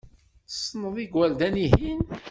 Tessneḍ igerdan-ihin?